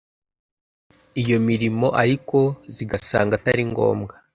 iyo mirimo ariko zigasanga atari ngombwa